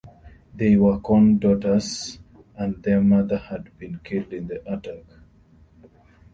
They were Corn's daughters, and their mother had been killed in the attack.